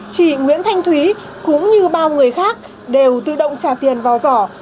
chị nguyễn thanh thúy cũng như bao người khác đều tự động trả tiền vào giỏ